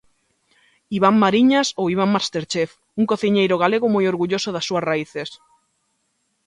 Iván Mariñas ou Iván Masterchef, un cociñeiro galego moi orgulloso das súas raíces.